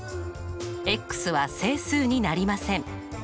は整数になりません。